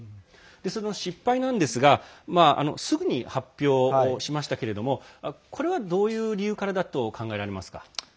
その失敗なんですがすぐに発表しましたけれどもこれは、どういう理由からだと考えられますか？